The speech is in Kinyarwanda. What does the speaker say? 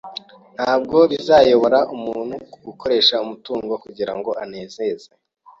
ntabwo bizayobora umuntu ku gukoresha umutungo kugira ngo anezeze